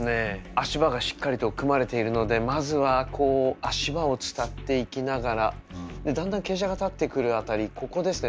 足場がしっかりと組まれているのでまずはこう足場を伝っていきながらだんだん傾斜が立ってくる辺りここですね。